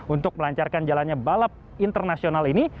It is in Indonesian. untuk melancarkan jalannya balap internasional ini